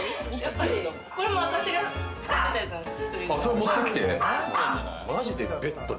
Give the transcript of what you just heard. これも私が使ってたやつなんですよ。